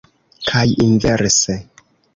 Kaj inverse.